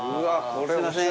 すいません